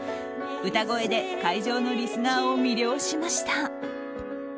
歌声で会場のリスナーを魅了しました。